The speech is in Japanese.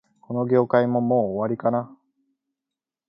この業界も、もう終わりかな